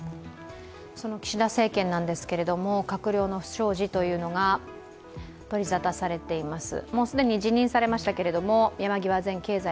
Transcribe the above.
その岸田政権なんですけれども閣僚の不祥事が取り沙汰されています。